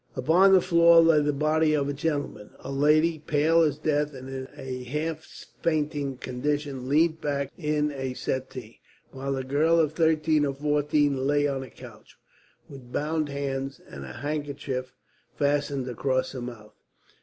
Upon the floor lay the body of a gentleman. A lady, pale as death and in a half fainting condition, leant back in a settee; while a girl of thirteen or fourteen lay on a couch, with bound hands and a handkerchief fastened across her mouth.